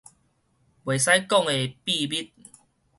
不能講的秘密